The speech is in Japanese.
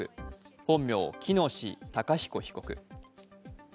本名・喜熨斗孝彦被告。